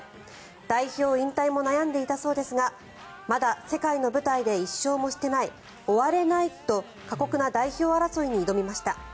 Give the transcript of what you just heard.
代表引退も悩んでいたそうですがまだ世界の舞台で１勝もしていない終われないと過酷な代表争いに挑みました。